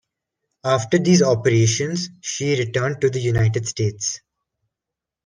After these operations she returned to the United States.